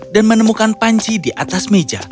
dan menemukan panci di atas meja